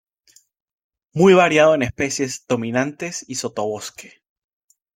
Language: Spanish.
Muy variado en especies dominantes y sotobosque.